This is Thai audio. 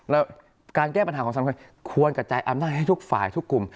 แล้วการแก้ปัญหาของสำคัญควรกระจายอำนาจให้ทุกฝ่ายทุกกลุ่ม